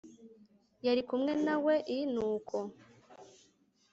yari kumwe na we i Nuko